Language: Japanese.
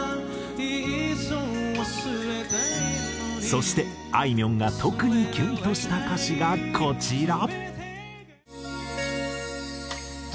そしてあいみょんが特にキュンとした歌詞がこちら。